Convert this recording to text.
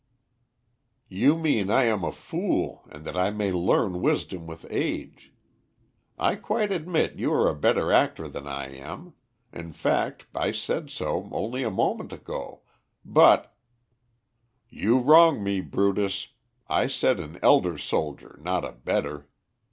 "You mean I am a fool, and that I may learn wisdom with age. I quite admit you are a better actor than I am; in fact I said so only a moment ago, but " "'You wrong me, Brutus; I said an elder soldier, not a better.'